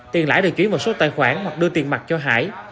tiền lãi được chuyển vào số tài khoản hoặc đưa tiền mặt cho hải